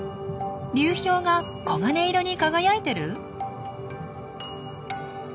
流氷が黄金色に輝いてる？